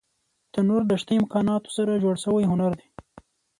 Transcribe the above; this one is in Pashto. تنور د شته امکاناتو سره جوړ شوی هنر دی